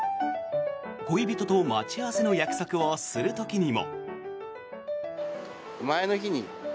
恋人と待ち合わせの約束をする時にも。